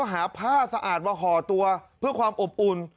หาผ้าสะอาดมาห่อตัวเพื่อความอบอุ่น